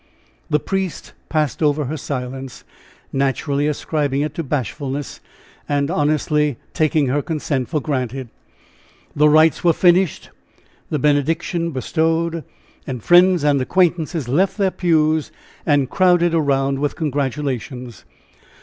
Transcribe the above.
The priest passed over her silence, naturally ascribing it to bashfulness, and honestly taking her consent for granted. The rites were finished, the benediction bestowed, and friends and acquaintances left their pews, and crowded around with congratulations.